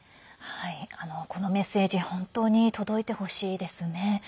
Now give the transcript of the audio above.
このメッセージ本当に届いてほしいですね。